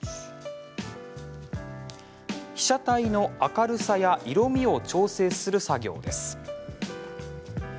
被写体の明るさや色みを調整する作業です。